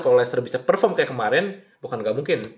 kalau leicester bisa perform kayak kemarin bukan gak mungkin